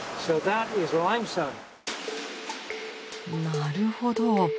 なるほど。